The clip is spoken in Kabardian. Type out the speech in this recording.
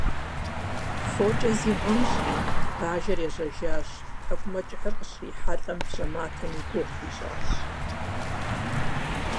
Фокӏэ зигъэнщӏри, бажэр ежьэжащ, тхьэкӏумэкӏыхьыр къыщрихьэлӏэм, бжьэматэм и гугъу хуищӏащ.